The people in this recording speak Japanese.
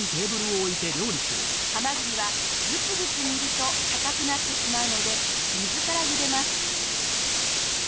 ハマグリはグツグツ煮ると硬くなってしまうので水からゆでます。